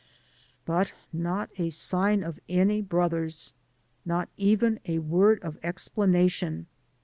But not a sign of any brothers. Not even a word of explanation.